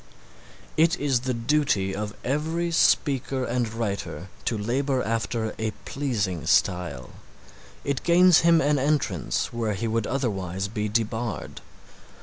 It is the duty of every speaker and writer to labor after a pleasing style. It gains him an entrance where he would otherwise be debarred.